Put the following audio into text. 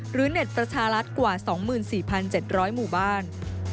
เน็ตประชารัฐกว่า๒๔๗๐๐หมู่บ้าน